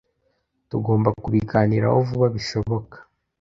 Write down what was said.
Tugomba kubiganiraho vuba bishoboka.